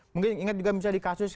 mungkin ingat juga misalnya di kasus